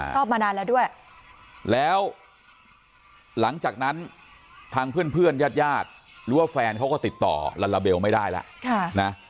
มานานแล้วด้วยแล้วหลังจากนั้นทางเพื่อนญาติญาติหรือว่าแฟนเขาก็ติดต่อลาลาเบลไม่ได้แล้วนะ